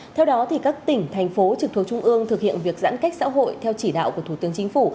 theo đó các tỉnh thành phố trực thuộc trung ương thực hiện việc giãn cách xã hội theo chỉ đạo của thủ tướng chính phủ